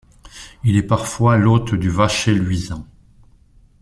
Il est parfois l’hôte du Vacher luisant.